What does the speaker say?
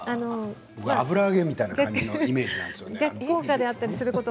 油揚げみたいなイメージなんですよね。